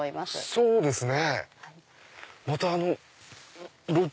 そうですね。